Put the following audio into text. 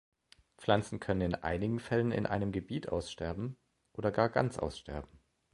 Pflanzen können in einigen Fällen in einem Gebiet aussterben oder gar ganz aussterben.